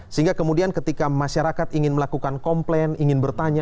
sehingga kemudian ketika masyarakat ingin melakukan komplain ingin bertanya